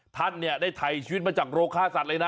ท่านได้ไทยชีวิตมาจากโรคฆ่าสัตว์เลยนะ